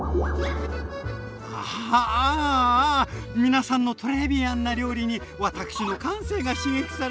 皆さんのトレービアンな料理に私の感性が刺激されました！